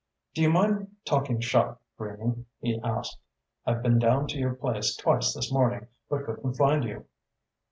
"Do you mind talking shop, Greening?" he asked. "I've been down to your place twice this morning, but couldn't find you."